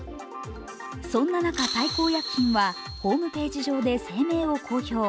そんな中、大幸薬品はホームページ上で声明を公表。